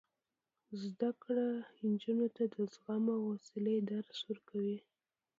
زده کړه نجونو ته د زغم او حوصلې درس ورکوي.